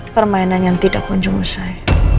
permainan yang tidak kunjung usai